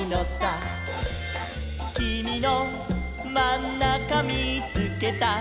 「きみのまんなかみーつけた」